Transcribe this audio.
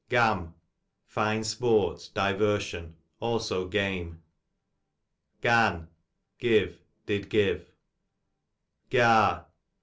Gam, fine sport, diversion, also game. Gan, give, did give.